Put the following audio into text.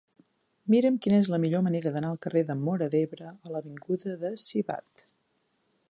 Mira'm quina és la millor manera d'anar del carrer de Móra d'Ebre a l'avinguda de Sivatte.